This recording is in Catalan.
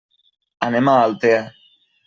Anem a Altea.